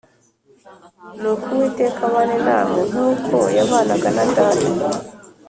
Nuko Uwiteka abane nawe nk’uko yabanaga na data.